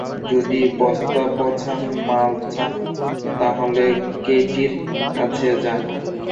যদি বস্তাপচা মাল চান, তাহলে কেটির কাছে যান।